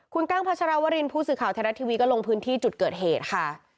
คุณกั้งพัชรวรินผู้สื่อข่าวไทยรัฐทีวีก็ลงพื้นที่จุดเกิดเหตุค่ะ